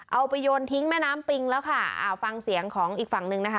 เอาไปโยนทิ้งแม่น้ำปิงแล้วค่ะอ่าฟังเสียงของอีกฝั่งหนึ่งนะคะ